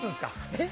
えっ？